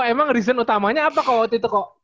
emang reason utamanya apa kalau waktu itu kok